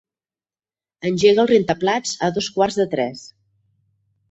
Engega el rentaplats a dos quarts de tres.